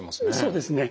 そうですね。